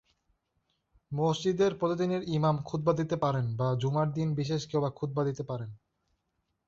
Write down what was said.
মসজিদের প্রতিদিনের ইমাম খুতবা দিতে পারেন বা জুমার দিন বিশেষ কেউ খুতবা দিতে পারেন।